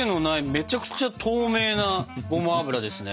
めちゃくちゃ透明なごま油ですね。